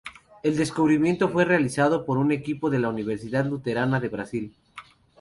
El descubrimiento fue realizado por un equipo de la Universidad Luterana de Brasil.